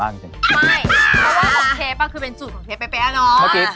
ไม่คำว่าของเชฟเปล่าคือเป็นสูตรของเชฟแป๊ปแป๊ปเนาะ